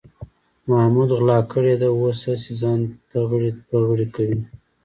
محمود غلا کړې ده، اوس هسې ځان تغړې پغړې کوي.